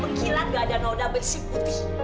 mengkilap gak ada noda bersih putih